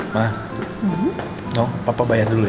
mas papa bayar dulu ya